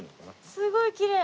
すごいきれい！